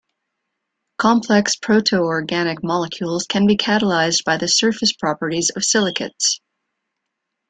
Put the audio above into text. Complex proto-organic molecules can be catalysed by the surface properties of silicates.